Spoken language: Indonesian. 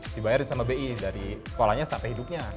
dibayarin sama bi dari sekolahnya sampai hidupnya